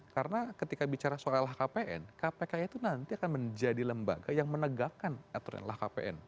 karena ketika bicara soal lhkpn kpk itu nanti akan menjadi lembaga yang menegakkan aturan lhkpn